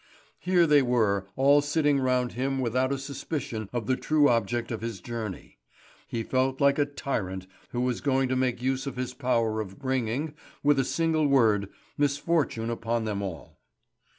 Here they were all sitting round him without a suspicion of the true object of his journey. He felt like a tyrant who was going to make use of his power of bringing, with a single word, misfortune upon them all.